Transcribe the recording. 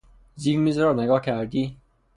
زیر میز را نگاه کردی؟